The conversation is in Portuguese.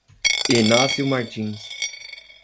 Inácio Martins